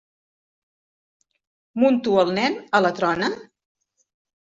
Munto el nen a la trona?